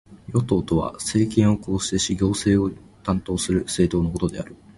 与党とは、政権を構成し行政を担当する政党のことである。